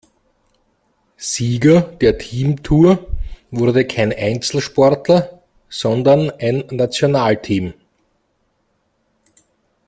Sieger der Team-Tour wurde kein Einzelsportler, sondern ein Nationalteam.